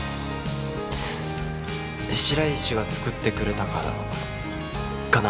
白石が作ってくれたからかな？